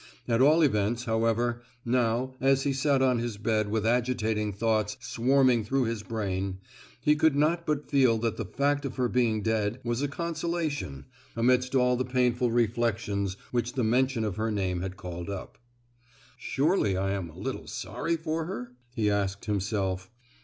At all events, however, now, as he sat on his bed with agitating thoughts swarming through his brain, he could not but feel that the fact of her being dead was a consolation, amidst all the painful reflections which the mention of her name had called up. "Surely I am a little sorry for her?" he asked himself.